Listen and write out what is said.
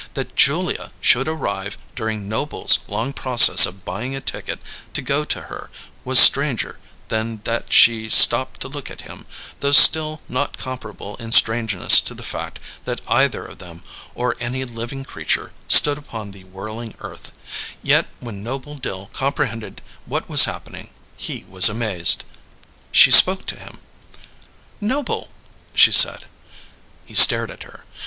That Julia should arrive during Noble's long process of buying a ticket to go to her was stranger than that she stopped to look at him, though still not comparable in strangeness to the fact that either of them, or any living creature, stood upon the whirling earth; yet when Noble Dill comprehended what was happening he was amazed. She spoke to him. "Noble!" she said. He stared at her.